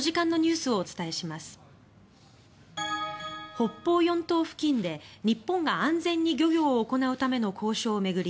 北方四島付近で日本が安全に漁業を行うための交渉を巡り